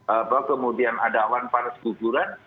apa kemudian ada awan panas guguran